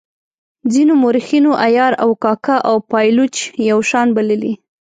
ځینو مورخینو عیار او کاکه او پایلوچ یو شان بللي.